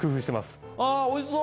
あぁおいしそう！